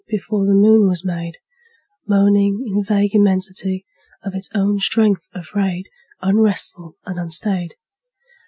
Before the moon was made, Moaning in vague immensity, Of its own strength afraid, Unresful and unstaid.